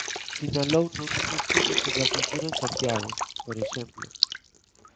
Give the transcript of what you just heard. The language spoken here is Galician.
Sinalouno nun estudo sobre a cultura en Santiago, por exemplo.